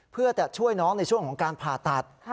เพื่อจะช่วยน้องในช่วงของการผ่าตัด